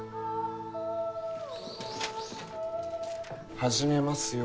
始めますよ。